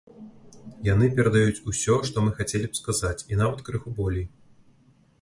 Яны перадаюць усё, што мы хацелі б сказаць, і нават крыху болей.